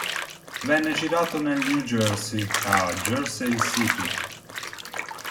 Venne girato nel New Jersey, a Jersey City.